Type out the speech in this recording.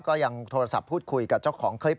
ก็ยังโทรศัพท์พูดคุยกับเจ้าของคลิป